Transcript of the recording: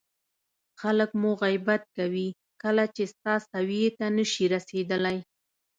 خلک مو غیبت کوي کله چې ستا سویې ته نه شي رسېدلی.